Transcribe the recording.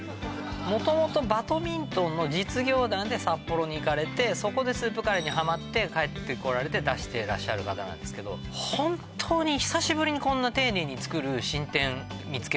元々バドミントンの実業団で札幌に行かれてそこでスープカレーにハマって帰って来られて出してらっしゃる方なんですけど本当に久しぶりにこんな丁寧に作る新店見つけました